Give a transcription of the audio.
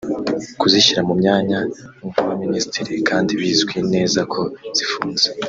Kuzishyira mu myanya nk’Abaministri kandi bizwi neza ko zifunze